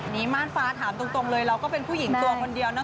ม่านฟ้าถามตรงเลยเราก็เป็นผู้หญิงตัวคนเดียวเนอ